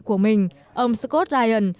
của mình ông scott ryan